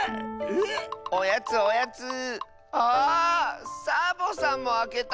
サボさんもあけたの⁉